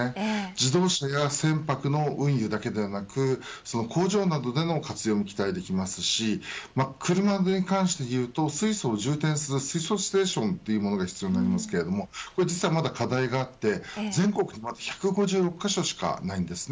自動車や船舶の運輸だけではなく工場などでの活用も期待できますし車に関して言うと水素を充填する水素ステーションが必要になりますがこちらにも課題がありまして全国にまだ１５６カ所しかありません。